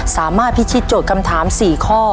สามารถพิชิตโจทย์คำถาม๔ข้อ